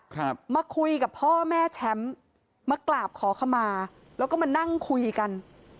ครับมาคุยกับพ่อแม่แชมป์มากราบขอขมาแล้วก็มานั่งคุยกัน